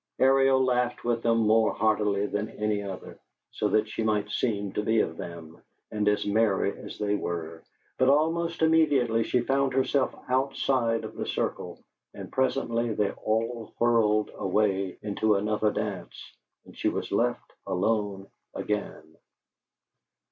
Ariel laughed with them more heartily than any other, so that she might seem to be of them and as merry as they were, but almost immediately she found herself outside of the circle, and presently they all whirled away into another dance, and she was left alone again.